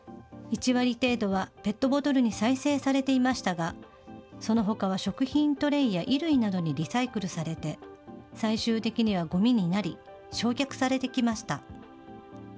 １割程度はペットボトルに再生されていましたが、そのほかは、食品トレイや衣類などにリサイクルされて、最終的にはごみになり、焼却されてきました。